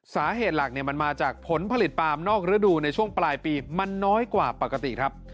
สาเหตุหลักมันมาจากผลผลิตปาล์มนอกระดูกในช่วงปลายปีมันน้อยกว่าปกติครับ